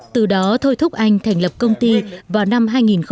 từ đó thôi thúc anh thành lập công ty vào năm hai nghìn một mươi